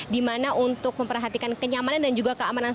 di mana untuk memperhatikan kenyamanan dan juga keamanan